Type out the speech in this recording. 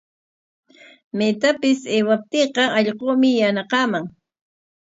Maytapis aywaptiiqa allquumi yanaqaman.